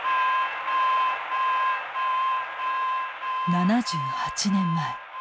７８年前。